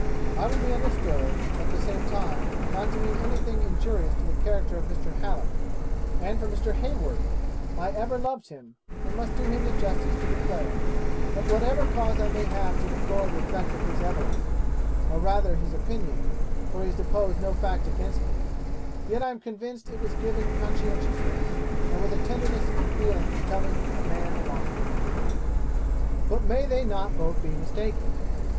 I would be understood, at the same time, not to mean anything injurious to the character of Mr. Hallet, and for Mr. Hayward, I ever loved him, and must do him the justice to declare, that whatever cause I may have to deplore the effect of his evidence, or rather his opinion, for he has deposed no fact against me, yet I am convinced it was given conscientiously, and with a tenderness and feeling becoming a man of honour. 'But may they not both be mistaken?